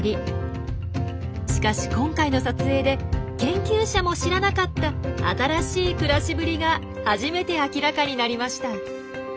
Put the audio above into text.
しかし今回の撮影で研究者も知らなかった新しい暮らしぶりが初めて明らかになりました！